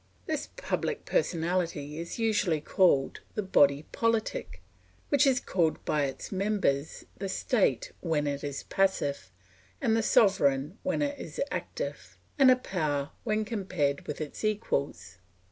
This public personality is usually called the body politic, which is called by its members the State when it is passive, and the Sovereign when it is active, and a Power when compared with its equals.